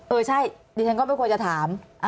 เออใช่ดิฉันก็ไม่ควรจะถาม